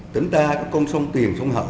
tính ra có công sông tiềm sông hậu